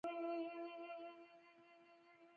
تعامل ته اړتیا ده